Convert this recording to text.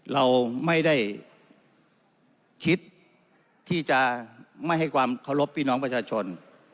เราไม่ได้คิดที่จะไม่ให้ความเคารพพี่น้องประชาชน